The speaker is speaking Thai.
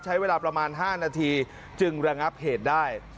ใช้เวลาประมาณ๕นาทีจึงระงับเหตุได้